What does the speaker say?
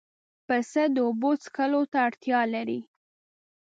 پسه د اوبو څښلو ته اړتیا لري.